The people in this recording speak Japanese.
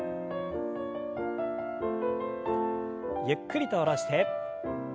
ゆっくりと下ろして。